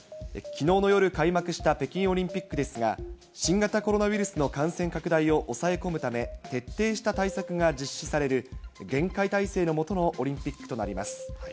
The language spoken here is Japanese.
きのうの夜開幕した北京オリンピックですが、新型コロナウイルスの感染拡大を抑え込むため、徹底した対策が実施される、厳戒態勢の下のオリンピックとなります。